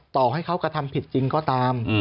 ต่อให้เขากระทำผิดจริงก็ตาม